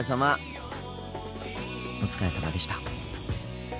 お疲れさまでした。